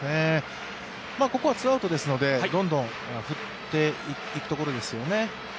ここはツーアウトですのでどんどん振っていくところですよね。